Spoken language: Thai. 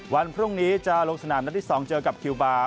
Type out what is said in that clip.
วันพรุ่งนี้จะลงสนามนัดที่๒เจอกับคิวบาร์